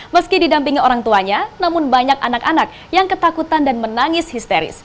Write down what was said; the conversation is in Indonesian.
meski didampingi orang tuanya namun banyak anak anak yang ketakutan dan menangis histeris